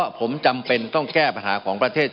สมัยก่อนผมก็กังวลการโกงอย่างที่เราว่าผมโกงนี่แหละ